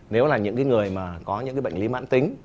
nếu là những người mà có những cái bệnh lý mãn tính